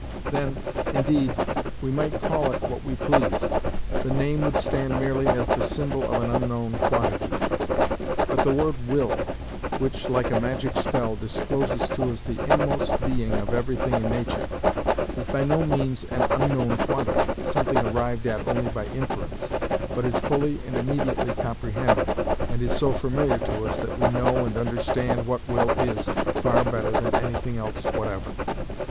Then, indeed, we might call it what we pleased; the name would stand merely as the symbol of an unknown quantity. But the word will, which, like a magic spell, discloses to us the inmost being of everything in nature, is by no means an unknown quantity, something arrived at only by inference, but is fully and immediately comprehended, and is so familiar to us that we know and understand what will is far better than anything else whatever.